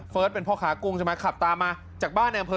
เฟิร์ดเป็นพ่อค้ากุ้งใช่ไหมขับตามมาจากบ้านแอมเภอ